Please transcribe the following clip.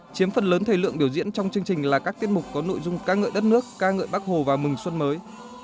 chiếm phần lớn thời lượng biểu diễn trong chương trình là các tiết mục có nội dung ca ngợi đất nước ca ngợi bắc hồ và mừng xuân mới